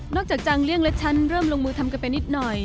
จากจังเลี่ยงและฉันเริ่มลงมือทำกันไปนิดหน่อย